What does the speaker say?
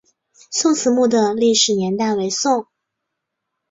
宋慈墓的历史年代为宋。